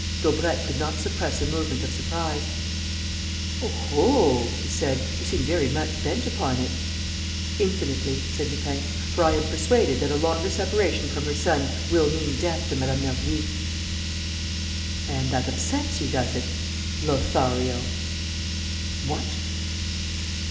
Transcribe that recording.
Daubrecq could not suppress a movement of surprise: "Oho!" he said. "You seem very much bent upon it." "Infinitely," said Lupin, "for I am persuaded that a longer separation from her son will mean death to Mme. Mergy." "And that upsets you, does it ... Lothario?" "What!"